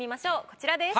こちらです。